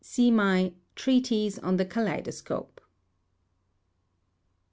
See my Treatise on the Kaleidoscope.